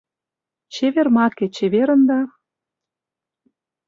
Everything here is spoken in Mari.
Чевер маке, чеверын да